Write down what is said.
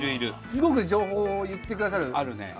すごく情報を言ってくださるあるね